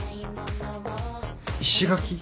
石垣？